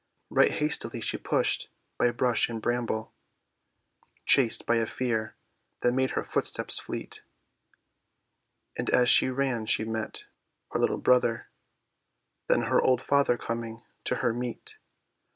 Right hastily she pushed by bush and bramble, Chased by a fear that made her footsteps fleet, And as she ran she met her little brother, Then her old father coming her to meet.